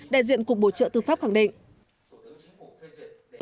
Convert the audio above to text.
đại diện cục bổ trợ tư pháp khẳng định